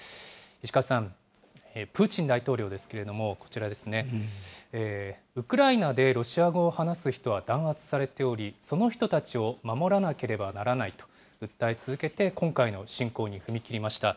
石川さん、プーチン大統領ですけれども、こちらですね、ウクライナでウクライナ語を話す人は弾圧されており、その人たちを守らなければならないと訴え続けて、今回の侵攻に踏み切りました。